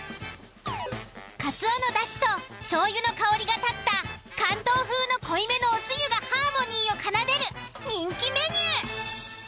かつおのだしとしょうゆの香りが立った関東風の濃いめのおつゆがハーモニーを奏でる人気メニュー。